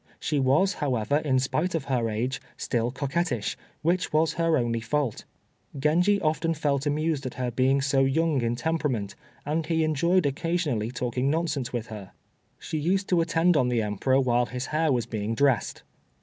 She was, however, in spite of her age, still coquettish, which was her only fault. Genji often felt amused at her being so young in temperament, and he enjoyed occasionally talking nonsense with her. She used to attend on the Emperor while his hair was being dressed.